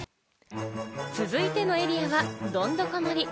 続いてのエリアは、どんどこ森。